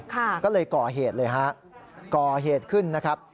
ก็เลยก่อเหตุเลยฮะก่อเหตุขึ้นนะครับ